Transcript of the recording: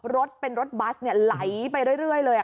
รถเป็นรถบัสเนี่ยไหลไปเรื่อยเลยอ่ะ